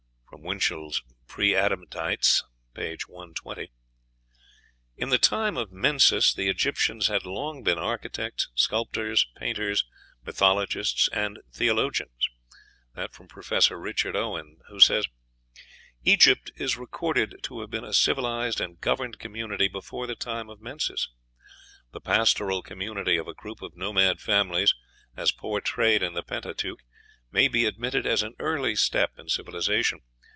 (Winchell's "Preadamites," p. 120.) "In the time of Menes the Egyptians had long been architects, sculptors, painters, mythologists, and theologians." Professor Richard Owen says, "Egypt is recorded to have been a civilized and governed community before the time of Menes. The pastoral community of a group of nomad families, as portrayed in the Pentateuch, may be admitted as an early step in civilization.